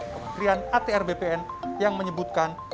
kementerian atr bpn yang menyebutkan